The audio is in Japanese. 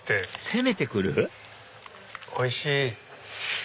攻めて来る⁉おいしい！